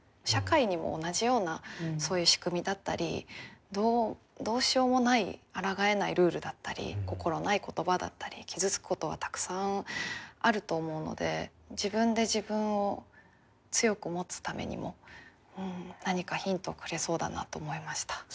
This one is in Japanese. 社会にも同じようなそういう仕組みだったりどうしようもないあらがえないルールだったり心ない言葉だったり傷つくことはたくさんあると思うので自分で自分を強く持つためにも何かヒントをくれそうだなと思いました。